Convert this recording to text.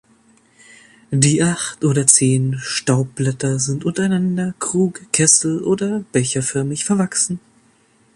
Die acht oder zehn Staubblätter sind untereinander krug-, kessel- oder becherförmig verwachsen.